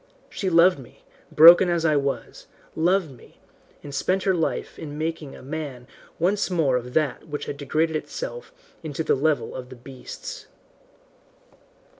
She loved me, broken as I was, loved me, and spent her life in making a man once more of that which had degraded itself to the level of the beasts.